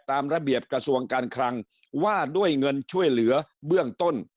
ตามระเบียบกระทรวงการคลังว่าด้วยเงินช่วยเหลือเบื้องต้น